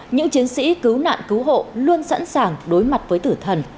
những chiến sĩ cứu nạn cứu hộ luôn sẵn sàng đối mặt với tử thần